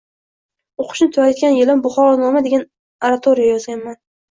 O’qishni tugatgan yilim “Buxoronoma” degan oratoriya yozganman.